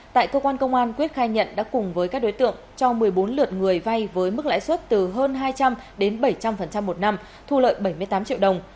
tại cơ quan công an quyết khai nhận đã cùng với các đối tượng cho một mươi bốn lượt người vay với mức lãi suất từ hơn hai trăm linh đến bảy trăm linh một năm thu lợi bảy mươi tám triệu đồng